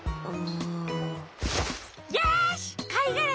よしかいがら